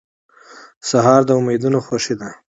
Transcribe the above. سهار د امیدونو خوښي ده.